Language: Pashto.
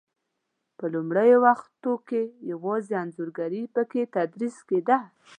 په لومړنیو وختو کې یوازې انځورګري په کې تدریس کېده.